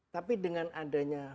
tapi dengan adanya